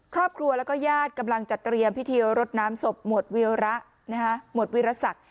ครอบครัวและญาติกำลังจัดเตรียมพิธีรถน้ำศพหมวดวิรสัก